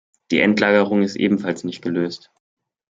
Die Endlagerung ist ebenfalls nicht gelöst.